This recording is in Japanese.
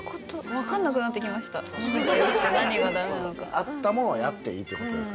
あったもんはやっていいって事ですもんね。